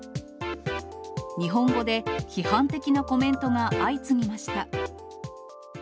日本語で批判的なコメントが相次ぎました。